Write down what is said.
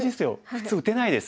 普通打てないです。